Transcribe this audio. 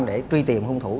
để truy tìm hung thủ